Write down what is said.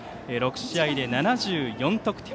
６試合で７４得点。